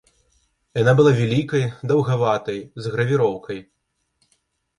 Яна была вялікай, даўгаватай, з гравіроўкай.